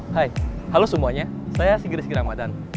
hai halo semuanya saya sigiri sigiramadan